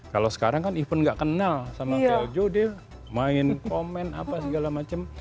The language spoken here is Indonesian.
kalau sekarang kan even nggak kenal sama keljo dia main komen apa segala macem